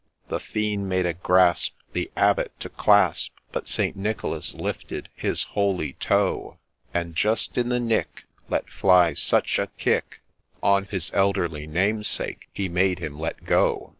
The fiend made a grasp, the Abbot to clasp ; But St. Nicholas lifted his holy toe, And, just in the nick, let fly such a kick On his elderly Namesake, he made him let go.